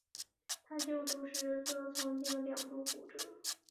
他就读时则曾经两度骨折。